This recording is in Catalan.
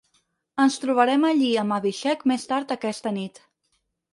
Ens trobarem allí amb Abhishek més tard aquesta nit.